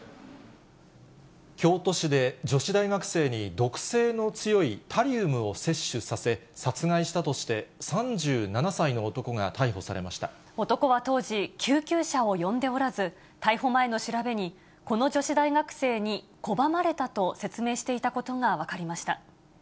京都市で女子大学生に毒性の強いタリウムを摂取させ、殺害したとして、男は当時、救急車を呼んでおらず、逮捕前の調べに、この女子大学生に拒まれたと説明していたことが分かりました。